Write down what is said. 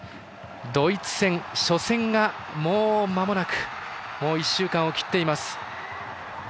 ドイツ戦、初戦が、もうまもなくもう１週間を切っています。